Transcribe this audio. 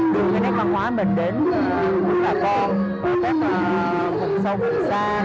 đưa cái nét văn hóa mình đến các bà con các cuộc sống xa